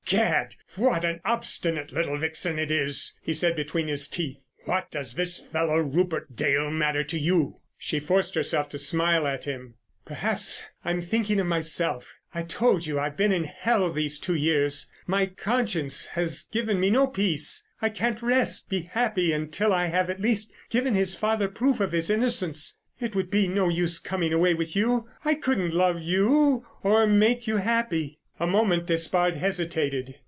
"Gad, what an obstinate little vixen it is!" he said between his teeth. "What does this fellow Rupert Dale matter to you?" She forced herself to smile at him. "Perhaps I'm thinking of myself. I told you I've been in hell these two years. My conscience has given me no peace. I can't rest, be happy, until I have at least given his father proof of his innocence. It would be no use coming away with you; I couldn't love you or make you happy." A moment Despard hesitated.